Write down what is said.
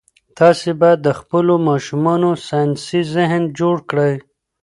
تاسي باید د خپلو ماشومانو ساینسي ذهن جوړ کړئ.